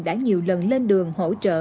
đã nhiều lần lên đường hỗ trợ